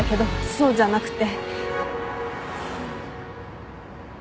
そうじゃなくて。